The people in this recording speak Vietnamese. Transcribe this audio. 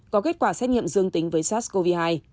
có kết quả xét nghiệm dương tính với sars cov hai